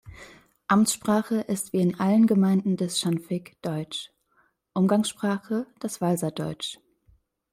Amtssprache ist wie in allen Gemeinden des Schanfigg Deutsch, Umgangssprache das Walserdeutsch.